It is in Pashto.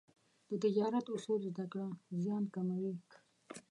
د تجارت اصول زده کړه، زیان کموي.